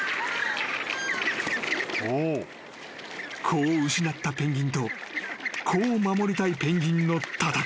［子を失ったペンギンと子を守りたいペンギンの戦い］